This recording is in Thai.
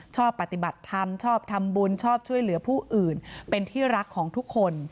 ชอบปฏิบัติธรรมชอบทำบุญชอบช่วยเหลือผู้อื่นเป็นที่รักของทุกคน